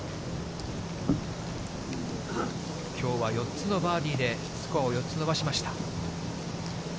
きょうは４つのバーディーで、スコアを４つ伸ばしました。